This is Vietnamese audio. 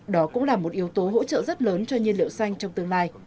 đó cũng là một yếu tố hỗ trợ rất lớn cho nhiên liệu xanh trong tương lai